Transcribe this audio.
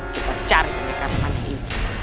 kita cari penikar yang aneh itu